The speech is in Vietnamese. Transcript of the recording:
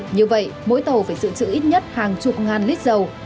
như vậy mỗi tàu phải dự trữ ít nhất hàng chục ngàn lít dầu